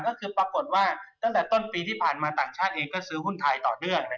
ก็คือปรากฏว่าตั้งแต่ต้นปีที่ผ่านมาต่างชาติเองก็ซื้อหุ้นไทยต่อเนื่อง